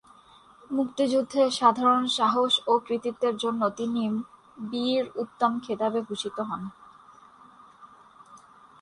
মুক্তিযুদ্ধে অসাধারণ সাহস ও কৃতিত্বের জন্য তিনি বীর উত্তম খেতাবে ভূষিত হন।